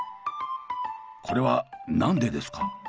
これは何でですか？